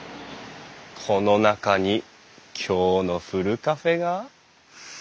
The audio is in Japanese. この中に今日のふるカフェが。